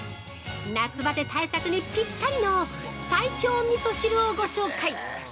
夏バテ対策にピッタリの最強みそ汁をご紹介！